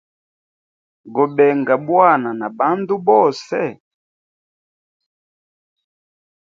Gobenga bwana na bandu bose.